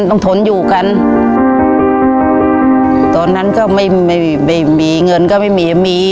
ต้องทนอยู่กันตอนนั้นก็ไม่มีเงินก็ไม่มี